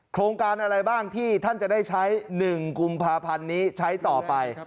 โครงการอะไรบ้างที่ท่านจะได้ใช้๑กุมภาพันธ์นี้ใช้ต่อไป